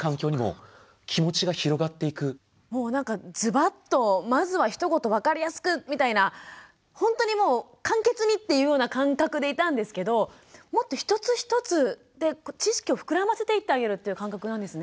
もうズバッとまずはひと言分かりやすくみたいなほんとにもう簡潔にっていうような感覚でいたんですけどもっと一つ一つ知識を膨らませていってあげるっていう感覚なんですね。